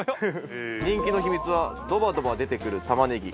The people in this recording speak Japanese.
人気の秘密はドバドバ出てくる玉ねぎ。